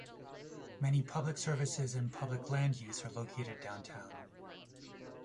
Many public services and public land use are located downtown.